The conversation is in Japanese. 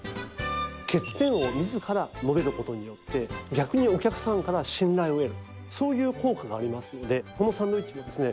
欠点を自ら述べる事によって逆にお客さんから信頼を得るそういう効果がありますのでこのサンドイッチはですね